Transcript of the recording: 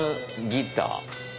ギター。